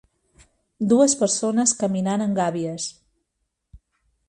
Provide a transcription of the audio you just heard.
Dues persones caminant amb gàbies.